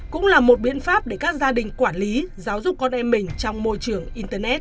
cũng là một biện pháp để các gia đình quản lý giáo dục con em mình trong môi trường internet